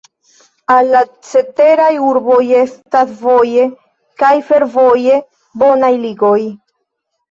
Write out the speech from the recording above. Al la ceteraj urboj estas voje kaj fervoje bonaj ligoj.